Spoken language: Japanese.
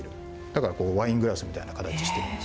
だからこうワイングラスみたいな形してるんですけども。